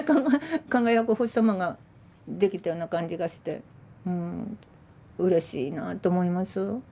輝くお星様ができたような感じがしてうんうれしいなと思います。